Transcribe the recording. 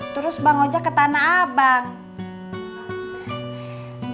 terus bang ojek ke tanah abang